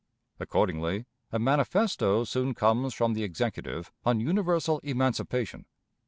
Accordingly, a manifesto soon comes from the Executive on universal emancipation.